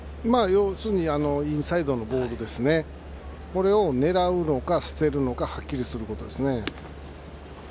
インサイドのボールを狙うのか、捨てるのかはっきりすることですね。